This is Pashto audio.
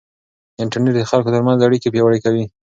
انټرنيټ د خلکو ترمنځ اړیکې پیاوړې کوي.